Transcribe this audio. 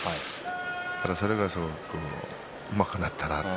それがうまくなったなと。